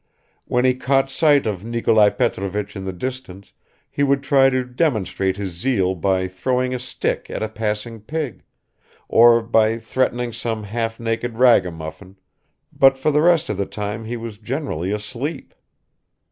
When he caught sight of Nikolai Petrovich in the distance, he would try to demonstrate his zeal by throwing a stick at a passing pig, or by threatening some half naked ragamuffin, but for the rest of the time he was generally asleep.